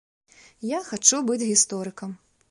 Я хачу быць гісторыкам.